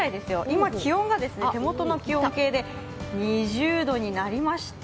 今、気温が手元の気温計で２０度になりました。